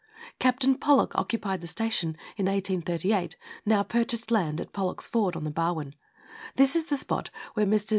Captain Pollock occupied the station, in 1838, (now purchased land) at Pollock's Ford, on the Barwon this is the spot where Messrs.